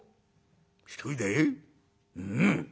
「うん」。